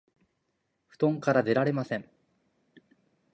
布団から出られません